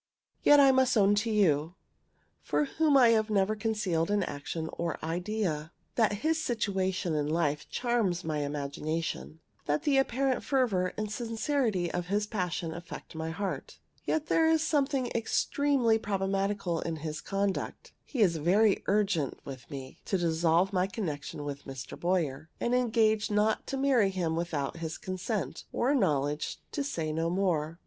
Yet I must own to you, from whom I have never concealed an action or idea, that his situation in life charms my imagination; that the apparent fervor and sincerity of his passion affect my heart. Yet there is something extremely problematical in his conduct. He is very urgent with me to dissolve my connection with Mr. Boyer, and engage not to marry him without his consent, or knowledge, to say no more.